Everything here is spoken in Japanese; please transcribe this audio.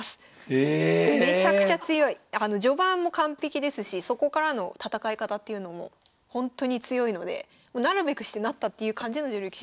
序盤も完璧ですしそこからの戦い方っていうのもほんとに強いのでなるべくしてなったっていう感じの女流棋士でした。